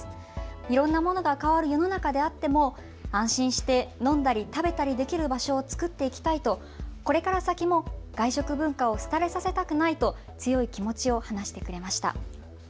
いろんなものが変わる世の中であっても、安心して飲んだり食べたりできる場所を作っていきたいと、これから先も外食文化を廃れさせたくないと強い気持ちを話してくれました。